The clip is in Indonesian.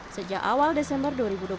sejak awal desember dua ribu dua puluh satu